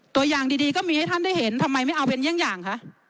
ตัวอย่างดีก็มีให้ท่านได้เห็นทำไมไม่เอาเป็นเยี่ยงอย่างคะ